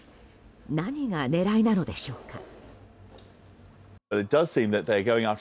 何が狙いなのでしょうか。